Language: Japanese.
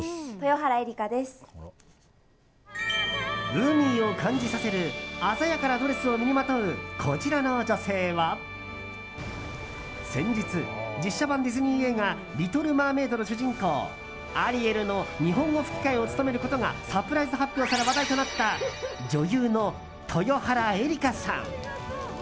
海を感じさせる鮮やかなドレスを身にまとうこちらの女性は先日、実写版ディズニー映画「リトル・マーメイド」の主人公アリエルの日本語吹き替えを務めることがサプライズ発表され話題となった女優の豊原江理佳さん。